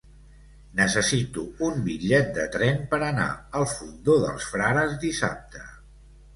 Necessito un bitllet de tren per anar al Fondó dels Frares dissabte.